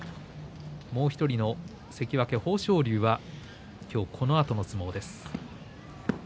もう１人の関脇豊昇龍は今日、このあとの相撲です。